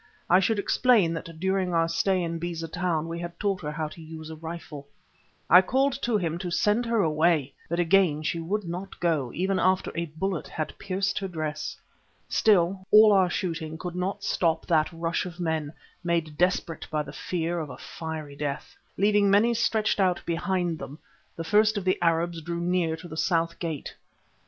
I should explain that during our stay in Beza Town we had taught her how to use a rifle. I called to him to send her away, but again she would not go, even after a bullet had pierced her dress. Still, all our shooting could not stop that rush of men, made desperate by the fear of a fiery death. Leaving many stretched out behind them, the first of the Arabs drew near to the south gate.